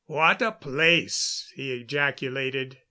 "What a place!" he ejaculated.